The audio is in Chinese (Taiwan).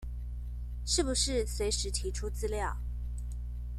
是不是隨時提出資料